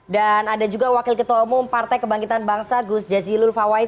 dan ada juga wakil ketua umum partai kebangkitan bangsa gus jazilul fawait